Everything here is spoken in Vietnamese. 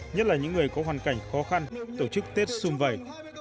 nhất là những người có hoàn cảnh khó khăn tổ chức tết xung vầy